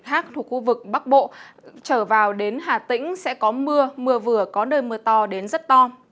thác thuộc khu vực bắc bộ trở vào đến hà tĩnh sẽ có mưa mưa vừa có nơi mưa to đến rất to